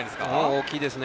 大きいですね。